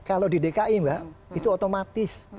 kalau di dki mbak itu otomatis